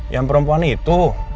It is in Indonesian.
yang perempuan itu